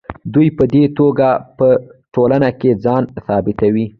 دوی په دې توګه په ټولنه کې ځان ثابتوي.